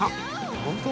本当？